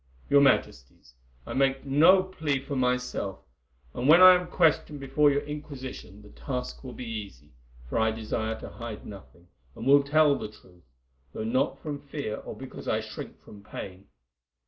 "Your Majesties, I make no plea for myself, and when I am questioned before your Inquisition the task will be easy, for I desire to hide nothing, and will tell the truth, though not from fear or because I shrink from pain.